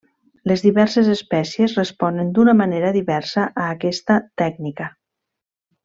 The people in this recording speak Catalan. Les diverses espècies responen d'una manera diversa a aquesta tècnica.